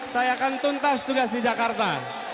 saya akan tuntas tugas di jakarta